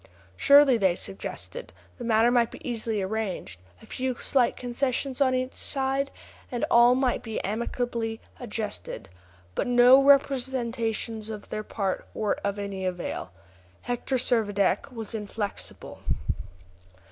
Surely, they suggested, the matter might be easily arranged; a few slight concessions on either side, and all might be amicably adjusted. But no representations on their part were of any avail. Hector Servadac was inflexible.